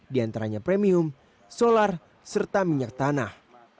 di antaranya premium solar serta minyak tanah